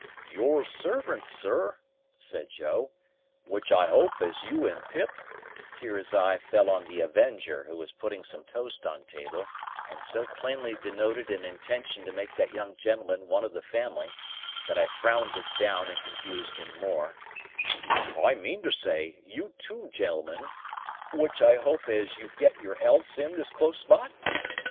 "Your servant, Sir," said Joe, "which I hope as you and Pip"—here his eye fell on the Avenger, who was putting some toast on table, and so plainly denoted an intention to make that young gentleman one of the family, that I frowned it down and confused him more—"I meantersay, you two gentlemen,—which I hope as you get your elths in this close spot?